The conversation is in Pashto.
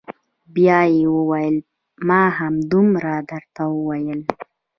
بيا يې وويل ما همدومره درته وويل.